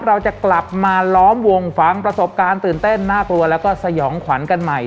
เราจะกลับมาล้อมวงฟังประสบการณ์ตื่นเต้นน่ากลัวแล้วก็สยองขวัญกันใหม่